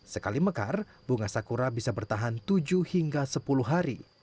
sekali mekar bunga sakura bisa bertahan tujuh hingga sepuluh hari